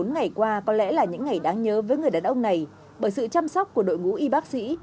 bốn ngày qua có lẽ là những ngày đáng nhớ với người đàn ông này bởi sự chăm sóc của đội ngũ y bác sĩ